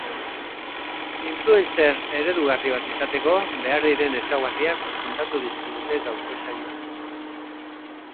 Influencer eredugarri bat izateko behar diren ezaugarriak kontatu dizkigute gaurko saioan.